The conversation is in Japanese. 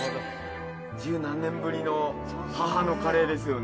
１０何年ぶりの母のカレーですよね。